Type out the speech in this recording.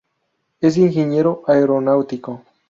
Es ingeniero aeronáutico.